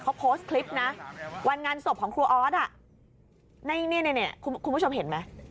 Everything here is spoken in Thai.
เขาโพสต์คลิปนะวันงานศพของครูออสอ่ะในเนี่ยคุณผู้ชมเห็นไหม